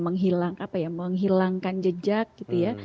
memudahkan pelaku apa ya menghilangkan jejak gitu ya